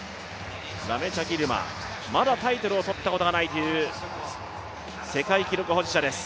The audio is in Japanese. ラメチャ・ギルマ、まだタイトルをとったことがないという世界記録保持者です。